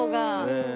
うん。